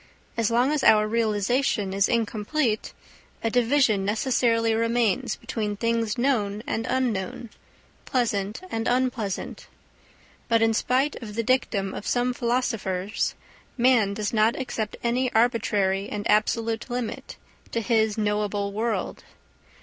As long as our realisation is incomplete a division necessarily remains between things known and unknown, pleasant and unpleasant. But in spite of the dictum of some philosophers man does not accept any arbitrary and absolute limit to his knowable world.